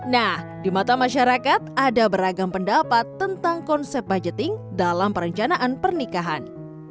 nah di mata masyarakat ada beragam pendapat tentang konsep budgeting dalam perencanaan pernikahan